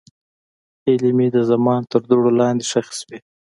هیلې مې د زمان تر دوړو لاندې ښخې شوې.